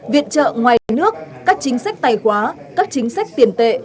viện trợ ngoài nước các chính sách tài khóa các chính sách tiền tệ